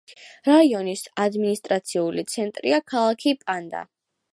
რაიონის ადმინისტრაციული ცენტრია ქალაქი პანდა.